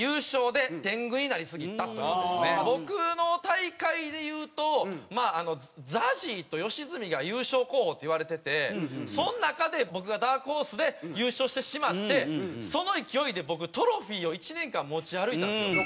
僕の大会でいうとＺＡＺＹと吉住が優勝候補っていわれててその中で僕がダークホースで優勝してしまってその勢いで僕トロフィーを１年間持ち歩いたんですよ。